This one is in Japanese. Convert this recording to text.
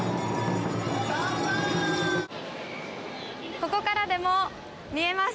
ここからでも見えます。